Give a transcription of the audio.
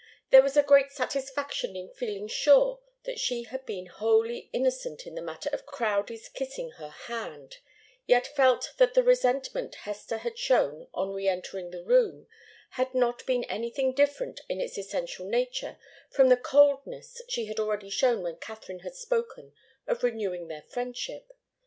There was a great satisfaction in feeling sure that she had been wholly innocent in the matter of Crowdie's kissing her hand; yet felt that the resentment Hester had shown on re entering the room had not been anything different in its essential nature from the coldness she had already shown when Katharine had spoken of renewing their friendship.